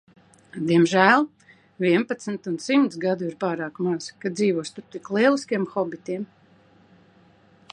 Diemžēl, vienpadsmit un simts gadu ir pārāk maz, kad dzīvo starp tik lieliskiem hobitiem!